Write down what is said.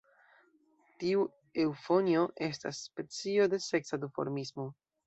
Tiu eŭfonjo estas specio de seksa duformismo.